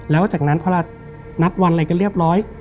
แล้วจากนั้นพอเรานัดวันอะไรกันเรียบร้อย